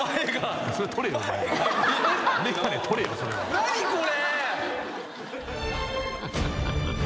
何これ？